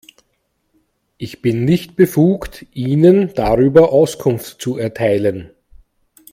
Ich bin nicht befugt, Ihnen darüber Auskunft zu erteilen.